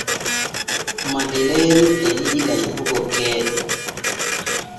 Madeleeni e yiɗi layɓugo keeɗe.